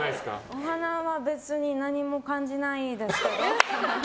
お花は別に何も感じないですけど。